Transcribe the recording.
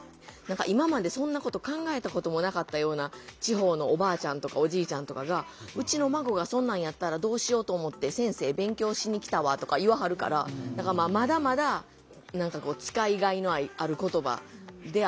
今までそんなこと考えたこともなかったような地方のおばあちゃんとかおじいちゃんとかが「うちの孫がそんなんやったらどうしようと思って先生勉強しに来たわ」とか言わはるからだからまだまだ使いがいのある言葉であるかなあとは思いますね。